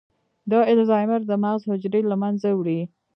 د الزایمر د مغز حجرې له منځه وړي.